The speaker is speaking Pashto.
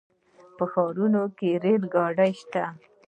په ښارونو کې ریل ګاډي شته.